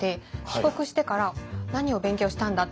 帰国してから「何を勉強したんだ？」。